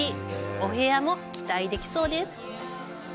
お部屋も期待できそうです。